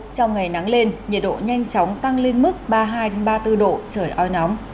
trong ngày nắng lên nhiệt độ nhanh chóng tăng lên mức ba mươi hai ba mươi bốn độ trời oi nóng